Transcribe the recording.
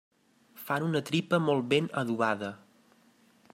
Fan una tripa molt ben adobada.